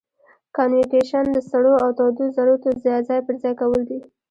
کانویکشن د سړو او تودو ذرتو ځای پر ځای کول دي.